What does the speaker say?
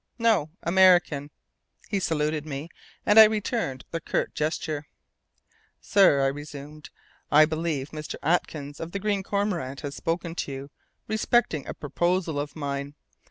"No. American." He saluted me, and I returned the curt gesture. "Sir," I resumed, "I believe Mr. Atkins of the Green Cormorant has spoken to you respecting a proposal of mine.